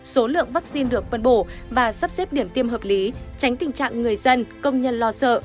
số lượng vaccine được phân bổ và sắp xếp điểm tiêm hợp lý tránh tình trạng người dân công nhân lo sợ